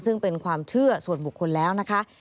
ซึ่งเป็นความเชื่อส่วนบุคคลแล้วนะคะ